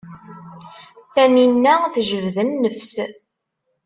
Taninna tejbed nnefs.